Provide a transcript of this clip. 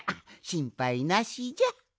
しんぱいなしじゃ！